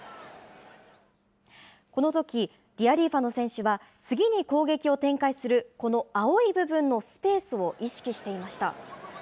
このとき、リアリーファノ選手は、次に攻撃を展開するこの青い部分のスペースを意識していました。